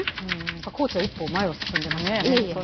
やっぱコーチは一歩前を進んでましたね。